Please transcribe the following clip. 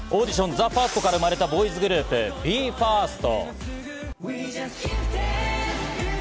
ＴＨＥＦＩＲＳＴから生まれたボーイズグループＢＥ：ＦＩＲＳＴ。